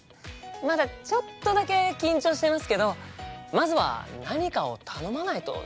まだちょっとだけ緊張してますけどまずは何かを頼まないとですよね。